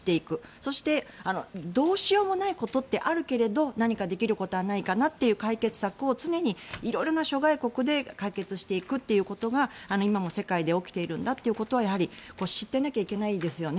そして、どうしようもないことってあるけれど何かできることはないかなという解決策を常に色々な諸外国で解決していくということが今も世界で起きているんだということはやはり、知っていなければいけないですよね。